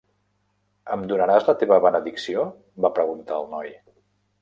"Em donaràs la teva benedicció?", va preguntar el noi.